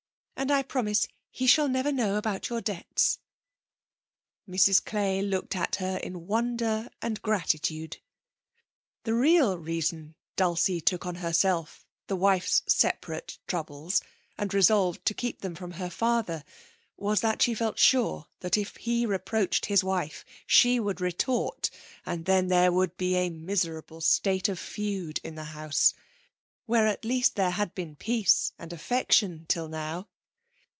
And I promise he shall never know about your debts.' Mrs Clay looked at her in wonder and gratitude. The real reason Dulcie took on herself the wife's separate troubles and resolved to keep them from her father was that she felt sure that if he reproached his wife she would retort and then there would be a miserable state of feud in the house, where at least there had been peace and affection till now.